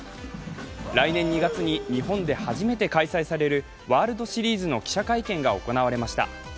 来年２月に日本で初めて開催されるワールドシリーズの記者会見が行われました。